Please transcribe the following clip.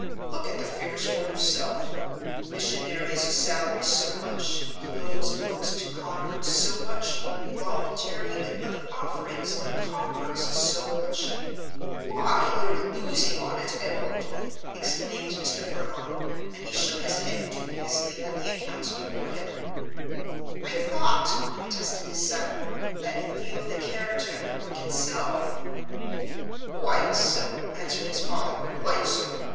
Look at the figures for yourself: missionary's salary so much, clothes and books to converts so much, voluntary and other offerings of converts so much why, you're losing on it, Edward!" exclaimed Mr. Furlong, and he shook his head dubiously at the accounts before him. "I thought," protested his son, "that in view of the character of the work itself " "Quite so," answered his father, "quite so.